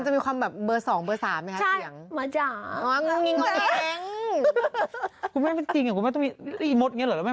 แล้วไม่มีบทวีไซค์ว่าอะไร